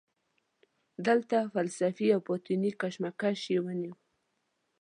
دلته فلسفي او باطني کشمکش وینو.